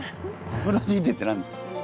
アフロディーテって何ですか？